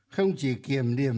không chỉ kiểm điểm